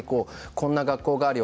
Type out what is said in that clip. こんな学校があるよ